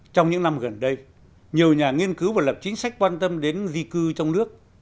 trong những năm gần đây nhiều nhà nghiên cứu và lập chính sách quan tâm đến di cư trong nước